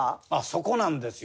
そこなんですよ。